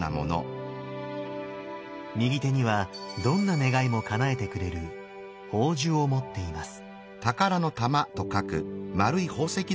右手にはどんな願いもかなえてくれる「宝珠」を持っています。